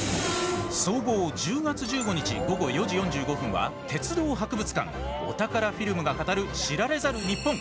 総合１０月１５日午後４時４５分は「鉄道博物館お宝フィルムが語る知られざるニッポン」。